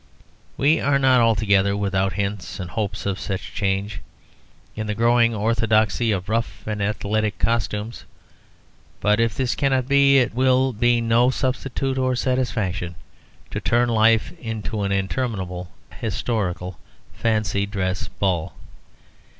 We are not altogether without hints and hopes of such a change, in the growing orthodoxy of rough and athletic costumes. But if this cannot be, it will be no substitute or satisfaction to turn life into an interminable historical fancy dress ball.